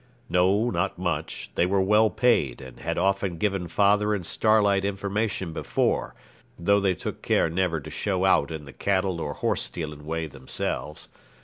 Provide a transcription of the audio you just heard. No, not much; they were well paid, and had often given father and Starlight information before, though they took care never to show out in the cattle or horse stealing way themselves.